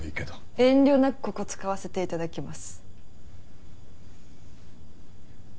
遠慮なくここ使わせて頂きます。